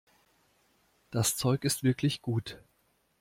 Das Zeug ist wirklich gut.